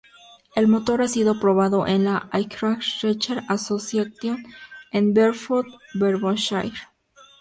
El motor ha sido probado en la Aircraft Research Association en Bedford, Bedfordshire.